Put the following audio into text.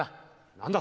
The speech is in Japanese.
何だ？